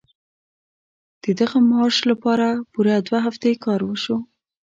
د دغه مارش لپاره پوره دوه هفتې کار وشو.